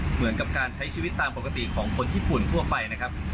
เหมือนกับการใช้ชีวิตตามปกติของคนญี่ปุ่นทั่วไปนะครับ